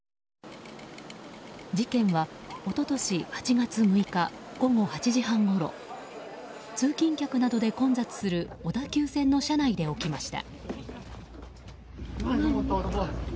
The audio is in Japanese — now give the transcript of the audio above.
事件は一昨年８月６日午後８時半ごろ通勤客などで混雑する小田急線の車内で起きました。